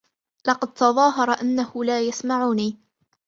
لقد تظاهر أنه لا يسمعني